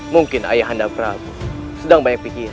mungkin ayah anda prabu sedang banyak pikir